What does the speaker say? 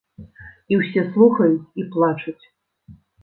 І ўсе слухаюць і плачуць!